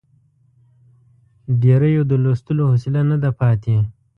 ډېریو د لوستلو حوصله نه ده پاتې.